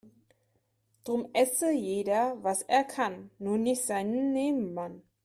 Drum esse jeder was er kann, nur nicht seinen Nebenmann.